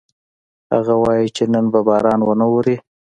هغه وایي چې نن به باران ونه اوري